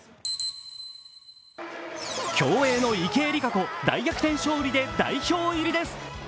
競泳の池江璃花子大逆転勝利で代表入りです。